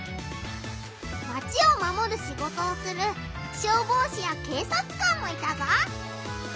マチをまもるシゴトをする消防士や警察官もいたぞ